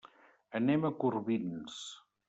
Anem a Corbins.